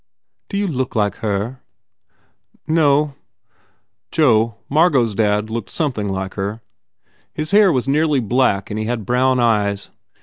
"Do you look like her?" "No. Joe Margot s dad looked something like her. His hair was nearly black and he had brown eyes.